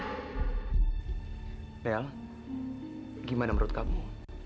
mel gimana menurut kamu